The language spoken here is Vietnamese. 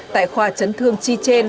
tại khoa chấn thương chi trên